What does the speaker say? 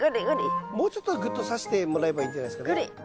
もうちょっとぐっとさしてもらえばいいんじゃないですかね。